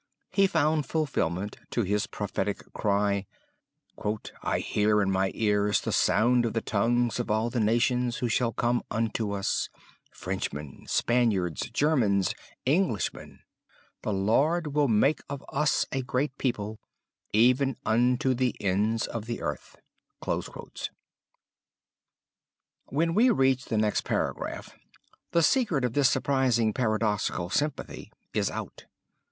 He found fulfilment to his prophetic cry: "I hear in my ears the sound of the tongues of all the nations who shall come unto us; Frenchmen, Spaniards, Germans, Englishmen. The Lord will make of us a great people, even unto the ends of the earth." When we reach the next paragraph the secret of this surprising paradoxical sympathy is out.